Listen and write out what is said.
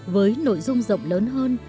với nội dung rộng lớn hơn